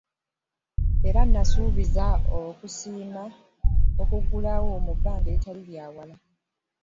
Era n'asuubiza okusiima okuliggulawo mu bbanga eritali lya wala.